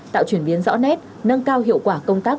tạo chuyển biến rõ nét nâng cao hiệu quả công tác